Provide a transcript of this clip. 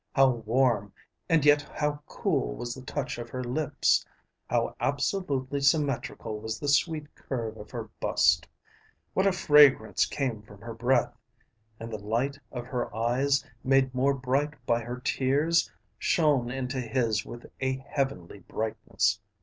How warm and yet how cool was the touch of her lips; how absolutely symmetrical was the sweet curve of her bust; what a fragrance came from her breath! And the light of her eyes, made more bright by her tears, shone into his with a heavenly brightness.